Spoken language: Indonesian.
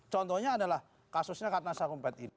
contohnya adalah kasusnya ratna sarumpet ini